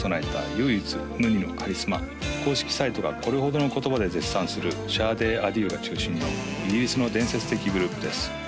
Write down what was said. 「唯一無二のカリスマ」公式サイトがこれほどの言葉で絶賛するシャーデー・アデュが中心のイギリスの伝説的グループです